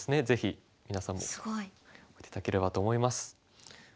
ぜひ皆さんも覚えて頂ければと思います。